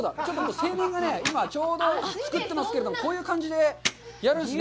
青年が今、ちょうど作っていますけど、こういう感じでやるんですね。